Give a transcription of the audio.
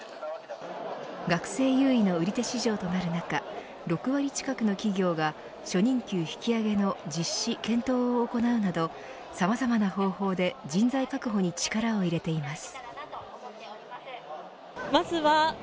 学生優位の売り手市場となる中６割近くの企業が初任給引き上げの実施検討を行うなどさまざまな方法で人材確保に力を入れています。